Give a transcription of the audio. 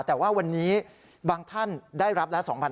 แต่ว่าวันนี้บางท่านได้รับละ๒๐๐๐